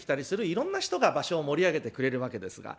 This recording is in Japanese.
いろんな人が場所を盛り上げてくれるわけですが。